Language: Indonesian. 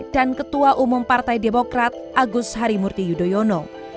dan ketua umum partai demokrat agus harimurti yudhoyono